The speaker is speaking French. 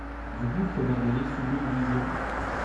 Du gouffre émerveillé sublime vision